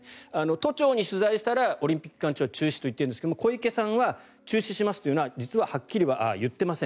都庁に取材したらオリンピック期間中は中止と言っているんですが小池さんは中止しますというのは実ははっきりは言っていません。